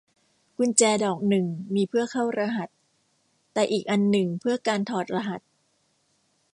กุญแจดอกหนึ่งมีเพื่อเข้ารหัส แต่อีกอันหนึ่งเพื่อการถอดรหัส